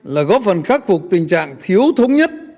là góp phần khắc phục tình trạng thiếu thống nhất